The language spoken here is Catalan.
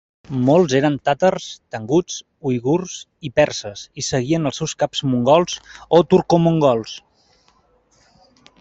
Molts eren tàtars, tanguts, uigurs i perses i seguien als seus caps mongols o turcomongols.